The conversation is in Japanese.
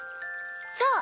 そう！